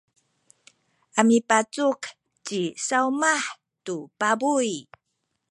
a mipacuk ci Sawmah tu pabuy.